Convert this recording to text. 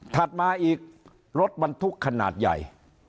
มาอีกรถบรรทุกขนาดใหญ่